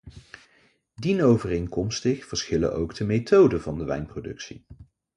Dienovereenkomstig verschillen ook de methoden van de wijnproductie.